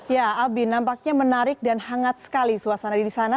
ya albi nampaknya menarik dan hangat sekali suasana di sana